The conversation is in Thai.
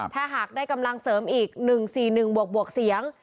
ถ้าหากได้กำลังเสริมอีก๑๔๑บวกเสียง